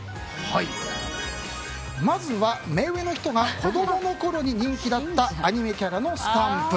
まずは、目上の人が子供のころに人気だったアニメキャラのスタンプ。